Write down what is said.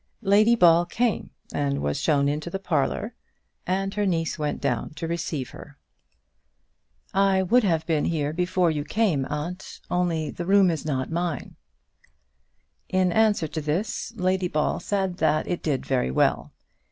Lady Ball came and was shown into the parlour, and her niece went down to receive her. "I would have been here before you came, aunt, only the room is not mine." In answer to this, Lady Ball said that it did very well.